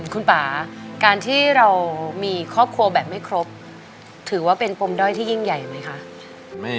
คุณป่าการที่เรามีครอบครัวแบบไม่ครบถือว่าเป็นปมด้อยที่ยิ่งใหญ่ไหมคะ